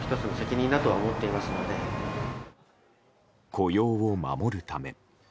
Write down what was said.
雇用を守るため。